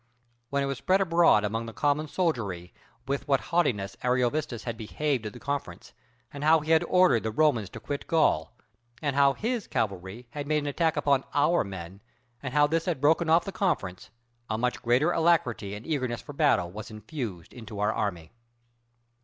When it was spread abroad among the common soldiery with what haughtiness Ariovistus had behaved at the conference, and how he had ordered the Romans to quit Gaul, and how his cavalry had made an attack upon our men, and how this had broken off the conference, a much greater alacrity and eagerness for battle was infused into our army.